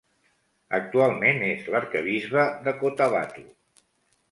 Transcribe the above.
Actualment és l'arquebisbe de Cotabato.